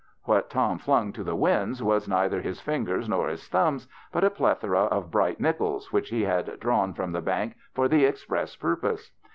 " What Tom flung to the winds was neither his fingers nor his thumbs, but a plethora of bright nickels which he had drawn from the bank for the express purpose.